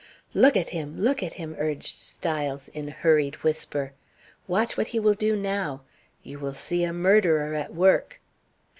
"Look at him! Look at him!" urged Styles, in a hurried whisper. "Watch what he will do now. You will see a murderer at work."